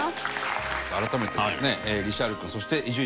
改めてですね。